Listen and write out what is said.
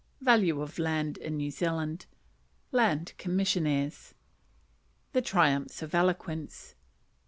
Value of Land in New Zealand. Land Commissioners. The Triumphs of Eloquence.